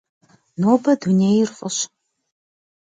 Nobe dunêyr f'ış.